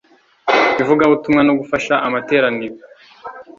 ivugabutumwa no gufasha amateraniro